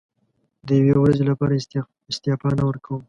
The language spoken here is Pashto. د یوې ورځې لپاره استعفا نه ورکووم.